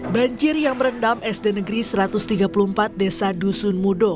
banjir yang merendam sd negeri satu ratus tiga puluh empat desa dusun mudo